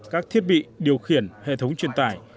các thiết bị điều khiển hệ thống truyền tải